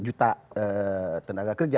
kemudian bahwa perkembangan teknologi digital